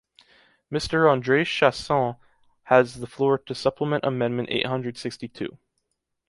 Mr André Chassaigne has the floor to support amendment eight hundred sixty-two.